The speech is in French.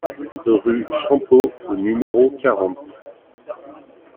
Rue Champeaux au numéro quarante